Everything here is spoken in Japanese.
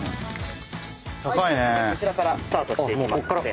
こちらからスタートしていきますので。